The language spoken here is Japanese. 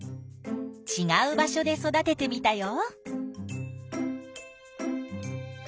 ちがう場所で育ててみたよ。